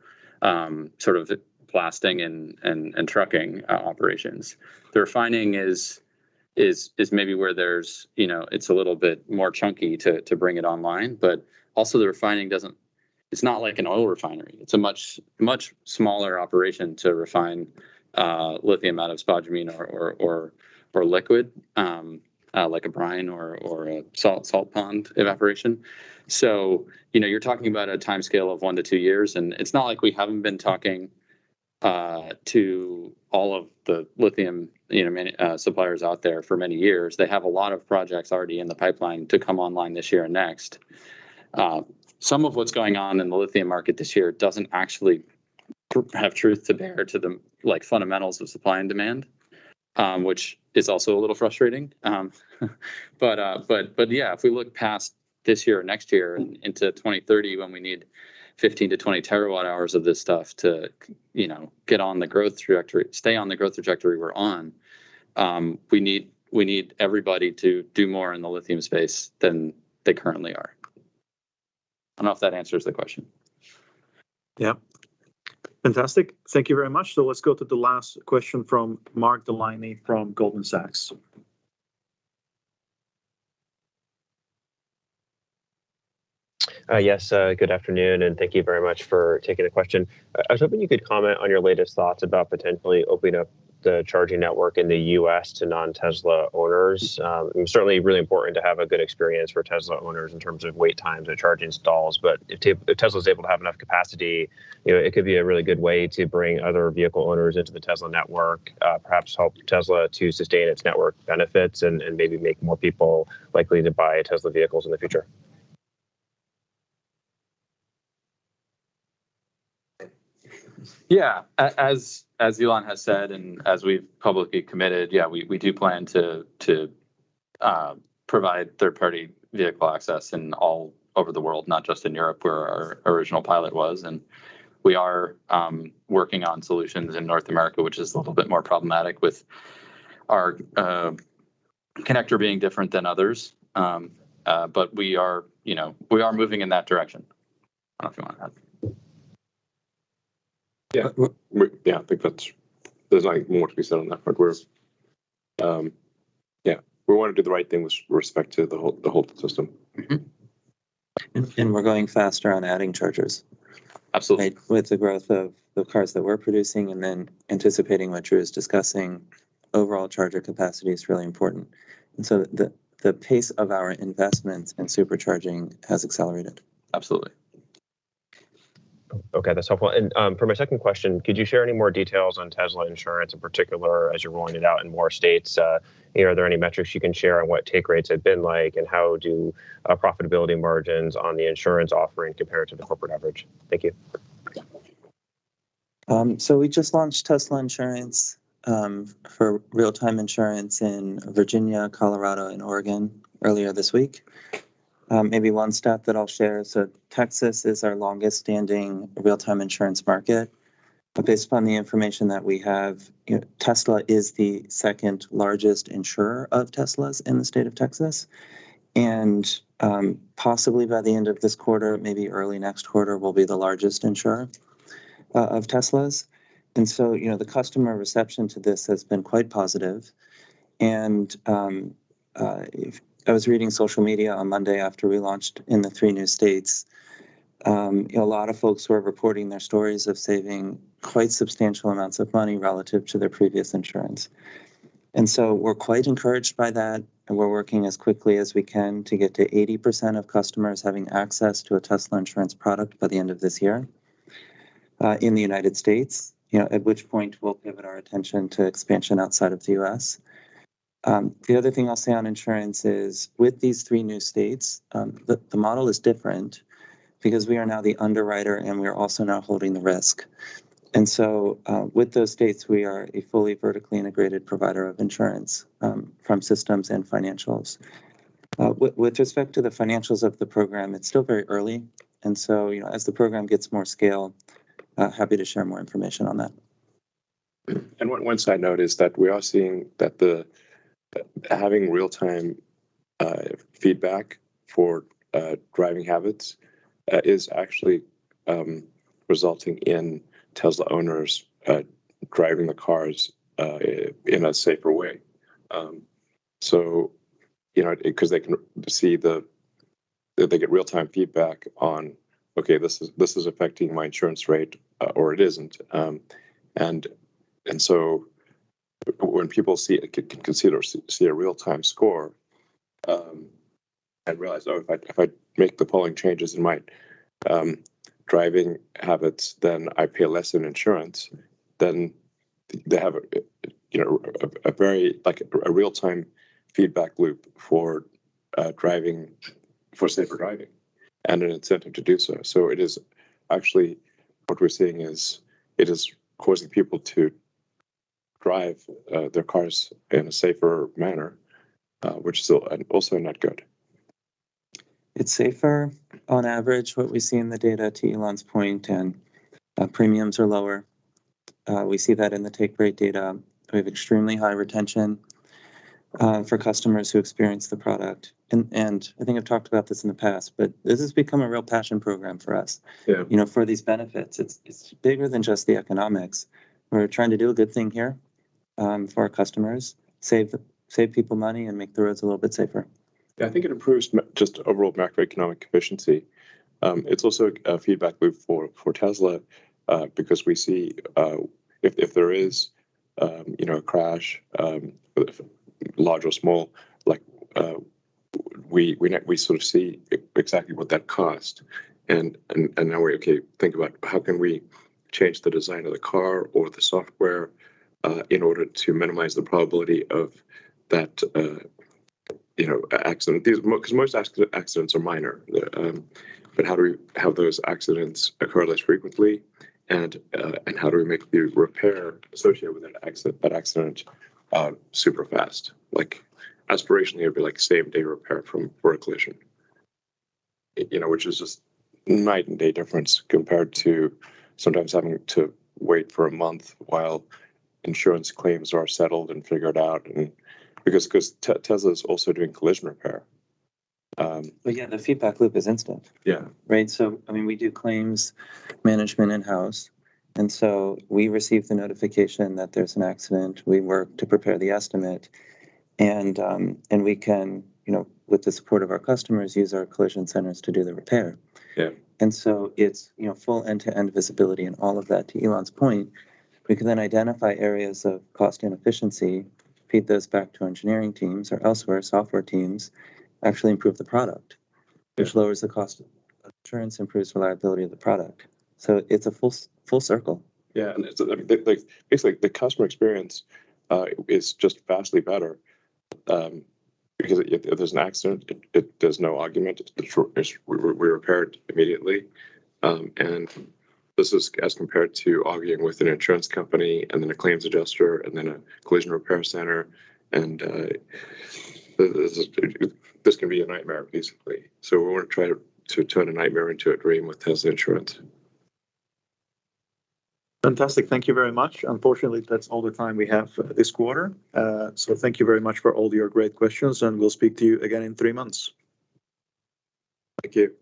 sort of blasting and trucking operations. The refining is maybe where there's, you know, it's a little bit more chunky to bring it online. But also the refining doesn't. It's not like an oil refinery. It's a much, much smaller operation to refine lithium out of spodumene or liquid like a brine or a salt pond evaporation. So, you know, you're talking about a timescale of one-two years, and it's not like we haven't been talking to all of the lithium, you know, major suppliers out there for many years. They have a lot of projects already in the pipeline to come online this year and next. Some of what's going on in the lithium market this year doesn't actually have truth to bear to the, like, fundamentals of supply and demand, which is also a little frustrating. Yeah, if we look past this year or next year into 2030 when we need 15-20 TWh of this stuff to, you know, get on the growth trajectory, stay on the growth trajectory we're on, we need everybody to do more in the lithium space than they currently are. I don't know if that answers the question. Fantastic. Thank you very much. Let's go to the last question from Mark Delaney from Goldman Sachs. Yes, good afternoon, and thank you very much for taking the question. I was hoping you could comment on your latest thoughts about potentially opening up the charging network in the U.S. to non-Tesla owners. Certainly really important to have a good experience for Tesla owners in terms of wait times at charging stalls. But if Tesla is able to have enough capacity, you know, it could be a really good way to bring other vehicle owners into the Tesla network, perhaps help Tesla to sustain its network benefits and maybe make more people likely to buy Tesla vehicles in the future. Yeah. As Elon has said, and as we've publicly committed, yeah, we do plan to provide third-party vehicle access all over the world, not just in Europe, where our original pilot was. We are working on solutions in North America, which is a little bit more problematic with our connector being different than others. We are, you know, moving in that direction. I don't know if you want to add. Yeah. Yeah, I think that's it. There's no more to be said on that front. Yeah. We want to do the right thing with respect to the whole system. We're going faster on adding chargers. Absolutely. Like, with the growth of the cars that we're producing and then anticipating what Drew is discussing, overall charger capacity is really important. The pace of our investments in Supercharging has accelerated. Absolutely. Okay. That's helpful. For my second question, could you share any more details on Tesla insurance in particular as you're rolling it out in more states? You know, are there any metrics you can share on what take rates have been like, and how do profitability margins on the insurance offering compare to the corporate average? Thank you. Yeah. We just launched Tesla Insurance for real-time insurance in Virginia, Colorado, and Oregon earlier this week. Maybe one stat that I'll share. Texas is our longest-standing real-time insurance market. Based on the information that we have, you know, Tesla is the second-largest insurer of Teslas in the state of Texas. Possibly by the end of this quarter, maybe early next quarter, we'll be the largest insurer of Teslas. You know, the customer reception to this has been quite positive. I was reading social media on Monday after we launched in the three new states. You know, a lot of folks were reporting their stories of saving quite substantial amounts of money relative to their previous insurance. We're quite encouraged by that, and we're working as quickly as we can to get to 80% of customers having access to a Tesla insurance product by the end of this year in the United States, you know, at which point we'll pivot our attention to expansion outside of the U.S. The other thing I'll say on insurance is, with these three new states, the model is different because we are now the underwriter, and we are also now holding the risk. With those states, we are a fully vertically integrated provider of insurance from systems and financials. With respect to the financials of the program, it's still very early, and so, you know, as the program gets more scale, happy to share more information on that. One side note is that we are seeing that having real-time feedback for driving habits is actually resulting in Tesla owners driving the cars in a safer way. So, you know, 'cause they can see that they get real-time feedback on, "Okay, this is affecting my insurance rate or it isn't." And so when people can see a real-time score and realize, "Oh, if I make the following changes in my driving habits, then I pay less in insurance," they have a you know a very like a real-time feedback loop for driving, for safer driving and an incentive to do so. It is actually what we're seeing is it is causing people to drive their cars in a safer manner, which is also not good. It's safer on average, what we see in the data to Elon's point, and premiums are lower. We see that in the take rate data. We have extremely high retention for customers who experience the product. I think I've talked about this in the past, but this has become a real passion program for us. You know, for these benefits. It's bigger than just the economics. We're trying to do a good thing here for our customers, save people money and make the roads a little bit safer. Yeah. I think it improves just overall macroeconomic efficiency. It's also a feedback loop for Tesla, because we see if there is, you know, a crash, large or small, like, we sort of see exactly what that cost. Now we think about how can we change the design of the car or the software in order to minimize the probability of that, you know, accident. 'Cause most accidents are minor. How do we have those accidents occur less frequently and how do we make the repair associated with an accident super fast? Like, aspirationally, it'd be like same day repair for a collision. You know, which is just night and day difference compared to sometimes having to wait for a month while insurance claims are settled and figured out and because Tesla's also doing collision repair. Yeah, the feedback loop is instant. Right? I mean, we do claims management in-house, and so we receive the notification that there's an accident. We work to prepare the estimate, and we can, you know, with the support of our customers, use our collision centers to do the repair. it's, you know, full end-to-end visibility and all of that. To Elon's point, we can then identify areas of cost inefficiency, feed those back to engineering teams or elsewhere, software teams actually improve the product, which lowers the cost of insurance, improves reliability of the product. It's a full circle. Yeah. It's, like, basically the customer experience is just vastly better because if there's an accident, there's no argument. We're repaired immediately. This is as compared to arguing with an insurance company and then a claims adjuster and then a collision repair center. This can be a nightmare, basically. We wanna try to turn a nightmare into a dream with Tesla Insurance. Fantastic. Thank you very much. Unfortunately, that's all the time we have for this quarter. Thank you very much for all your great questions, and we'll speak to you again in three months. Thank you.